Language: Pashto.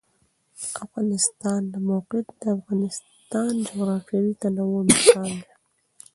د افغانستان د موقعیت د افغانستان د جغرافیوي تنوع مثال دی.